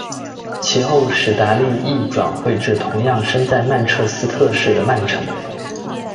其后史达宁亦转会至同样身在曼彻斯特市的曼城。